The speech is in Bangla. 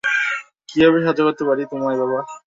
কীভাবে সাহায্য করতে পারি তোমায় বাবা?